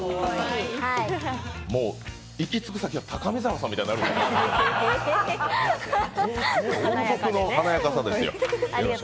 もう行き着く先は高見沢さんみたいになる、王族の華やかさですよ。